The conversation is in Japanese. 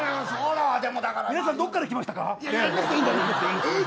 皆さんどっから来ましたか。